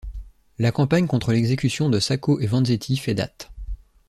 La campagne contre l'exécution de Sacco et Vanzetti fait date.